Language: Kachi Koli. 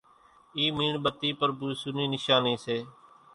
اِي ميڻ ٻتي پرڀو ايسُو نِي نيشاني سي